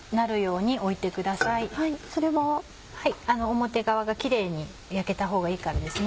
表側がキレイに焼けたほうがいいからですね。